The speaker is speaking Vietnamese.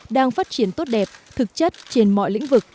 đang phát triển tốt đẹp thực chất trên mọi lĩnh vực